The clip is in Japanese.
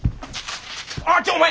あっちょお前！